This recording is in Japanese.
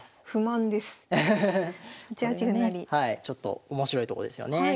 ちょっと面白いとこですよね。